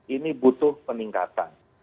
ini butuh peningkatan